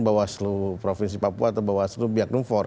bawaslu provinsi papua atau bawaslu biak numpor